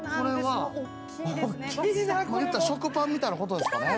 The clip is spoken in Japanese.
食パンみたいなことですかね。